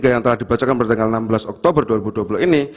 yang telah dibacakan pada tanggal enam belas oktober dua ribu dua puluh ini